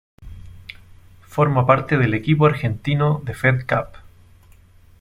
Forma parte del Equipo argentino de Fed Cup.